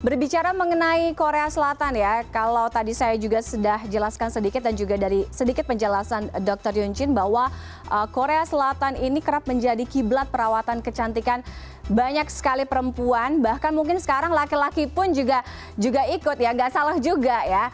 berbicara mengenai korea selatan ya kalau tadi saya juga sudah jelaskan sedikit dan juga dari sedikit penjelasan dr yuncin bahwa korea selatan ini kerap menjadi kiblat perawatan kecantikan banyak sekali perempuan bahkan mungkin sekarang laki laki pun juga ikut ya nggak salah juga ya